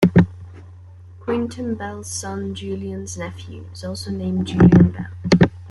Quentin Bell's son, Julian's nephew, is also named Julian Bell.